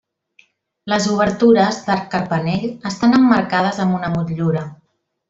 Les obertures, d'arc carpanell, estan emmarcades amb una motllura.